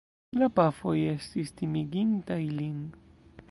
La pafoj estis timigintaj lin.